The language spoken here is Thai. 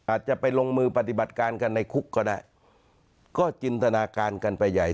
อาจจะไปลงมือปฏิบัติการกันในคุกก็ได้ก็จินตนาการกันไปใหญ่